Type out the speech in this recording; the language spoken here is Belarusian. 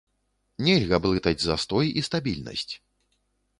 Нельга блытаць застой і стабільнасць.